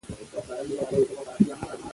که شک ونه کړې نو يقين ته نه رسېږې.